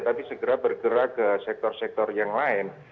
tapi segera bergerak ke sektor sektor yang lain